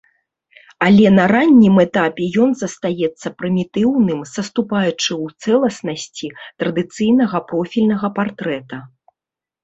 Але на раннім этапе ён застаецца прымітыўным, саступаючы ў цэласнасці традыцыйнага профільнага партрэта.